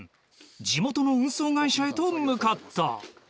地元の運送会社へと向かった。